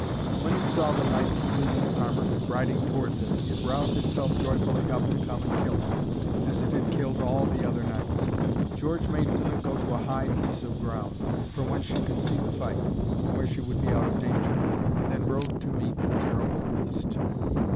When it saw the knight in gleaming armour riding towards it, it roused itself joyfully up to come and kill him, as it had killed all the other knights. George made Una go to a high piece of ground, from whence she could see the fight, and where she would be out of danger, and then rode to meet the terrible beast.